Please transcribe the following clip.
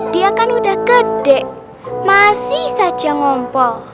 dia kan udah gede masih saja ngompol